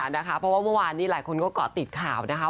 เพราะว่าเมื่อวานนี้หลายคนก็เกาะติดข่าวนะคะ